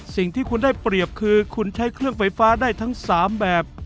สิ่งที่คุณได้เปรียบคือคุณใช้เครื่องไฟฟ้าได้ทั้ง๓แบบ